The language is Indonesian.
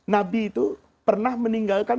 nabi itu pernah meninggalkan